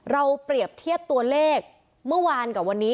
เปรียบเทียบตัวเลขเมื่อวานกับวันนี้